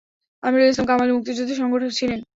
আমিরুল ইসলাম কামাল মুক্তিযুদ্ধের সংগঠক ছিলেন।